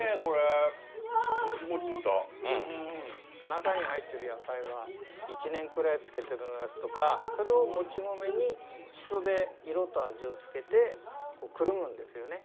中に入っている野菜は１年くらい漬けてるやつとかそれをもち米にシソで色と味を付けてこうくるむんですよね。